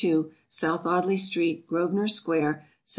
62, South Audley street, Grosvenor square, Sept.